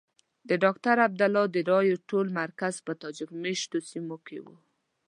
د ډاکټر عبدالله د رایو ټول مرکز په تاجک مېشتو سیمو کې وو.